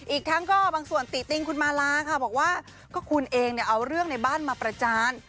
อีกทั้งก็บางส่วนติติงคุณมาลาค่ะบอกว่าก็คุณเองเนี่ยเอาเรื่องในบ้านมาประจาน